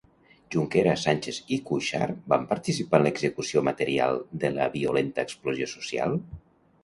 Junqueras, Sànchez i Cuixart van participar en l'execució material de la violenta explosió social?